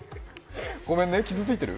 ごめんね、傷ついてる？